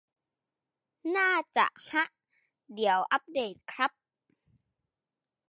น่าจะฮะ เดี๋ยวอัปเดตครับ